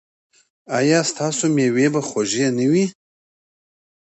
ایا ستاسو میوې به خوږې نه وي؟